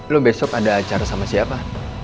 lo besok ada acara sama siapa